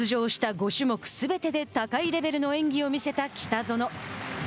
５種目すべてで高いレベルの演技を見せた北園。